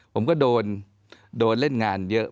ผมก็โดนเล่นงานเยอะ